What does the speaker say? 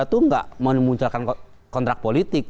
itu nggak memunculkan kontrak politik